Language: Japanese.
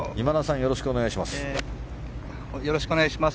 よろしくお願いします。